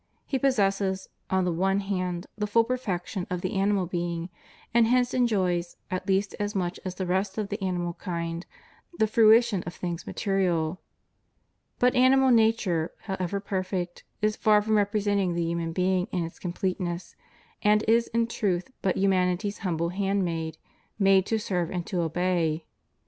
He pos sesses, on the one hand, the full perfection of the animal being, and hence enjoys, at least as much as the rest of the animal kind, the fruition of things material. But animal nature, however perfect, is far from representing the human being in its completeness, and is in truth but humanity's humble handmaid, made to serve and to obey.